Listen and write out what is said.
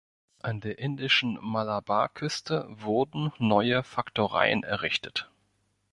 An der indischen Malabarküste wurden neue Faktoreien errichtet.